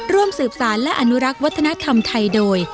ร่วมสืบสารและอนุรักษ์วัฒนธรรมไทยโดย